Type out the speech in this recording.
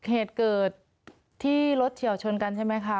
เหตุเกิดที่รถเฉียวชนกันใช่ไหมคะ